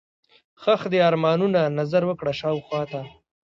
ښخ دي ارمانونه، نظر وکړه شاوخواته